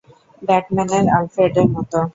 ব্যাটম্যানের আলফ্রেডের মতো।